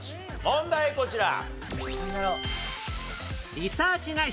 問題こちら。